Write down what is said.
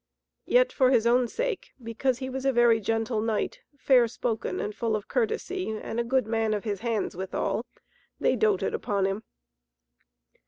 Yet for his own sake, because he was a very gentle knight, fair spoken and full of courtesy and a good man of his hands withal, they doted upon him.